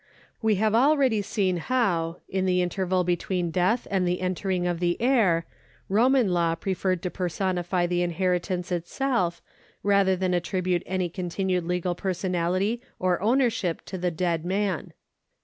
We have already seen how, in the interval between death and the entering of the heir, Roman law preferred to personify the inheritance itself, rather than attribute any continued legal personality or ownership to the dead man.